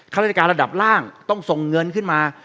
ข้าราชการระดับล่างต้องส่งเงินขึ้นมา